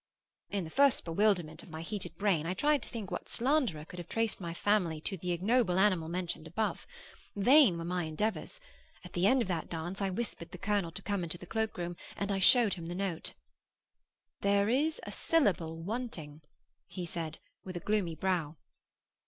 In the first bewilderment of my heated brain, I tried to think what slanderer could have traced my family to the ignoble animal mentioned above. Vain were my endeavours. At the end of that dance I whispered the colonel to come into the cloak room, and I showed him the note. 'There is a syllable wanting,' said he, with a gloomy brow.